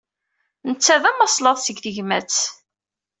Netta d amaslaḍ seg tegmat.